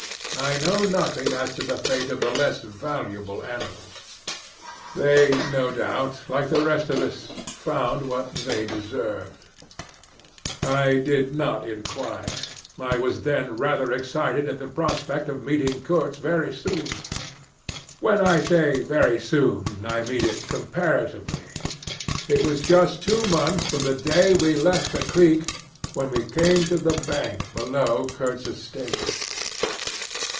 I know nothing as to the fate of the less valuable animals. They, no doubt, like the rest of us, found what they deserved. I did not inquire. I was then rather excited at the prospect of meeting Kurtz very soon. When I say very soon I mean it comparatively. It was just two months from the day we left the creek when we came to the bank below Kurtz's station.